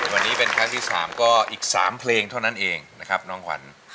วันนี้เป็นครั้งที่๓ก็อีก๓เพลงเท่านั้นเองนะครับน้องขวัญ